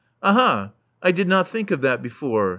Aha! I did not think of that before.